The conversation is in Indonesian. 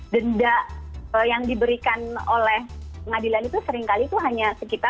denda yang diberikan oleh pengadilan itu seringkali itu hanya sekitar